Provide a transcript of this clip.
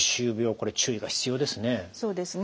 これ注意が必要ですね。